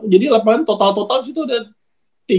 jadi lapangan total total di situ udah